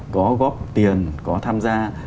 có góp tiền có tham gia